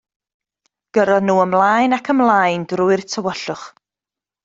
Gyrron nhw ymlaen ac ymlaen drwy'r tywyllwch.